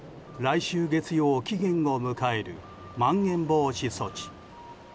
来週月曜、期限を迎えるまん延防止措置。